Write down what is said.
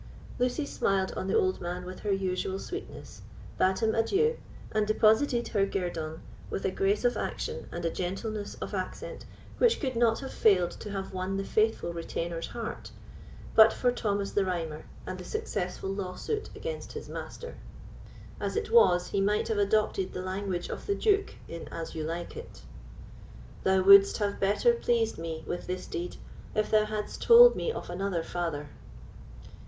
Lucy smiled on the old man with her usual sweetness, bade him adieu, and deposited her guerdon with a grace of action and a gentleness of accent which could not have failed to have won the faithful retainer's heart, but for Thomas the Rhymer, and the successful lawsuit against his master. As it was, he might have adopted the language of the Duke in "As You Like It": Thou wouldst have better pleased me with this deed, If thou hadst told me of another father.